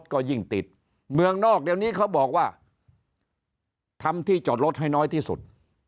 ก็ยิ่งติดเมืองนอกเดี๋ยวนี้เขาบอกว่าทำที่จอดรถให้น้อยที่สุด